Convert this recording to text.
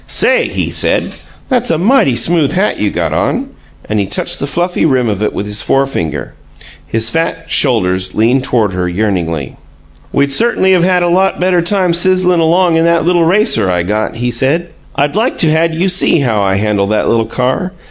"Say," he said, "that's a mighty smooth hat you got on." And he touched the fluffy rim of it with his forefinger. His fat shoulders leaned toward her yearningly. "We'd cert'nly of had a lot better time sizzin' along in that little racer I got," he said. "I'd like to had you see how I handle that little car.